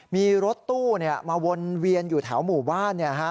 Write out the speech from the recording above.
มีรถตู้เนี่ยมาวนเวียนอยู่แถวหมู่บ้านเนี่ยฮะ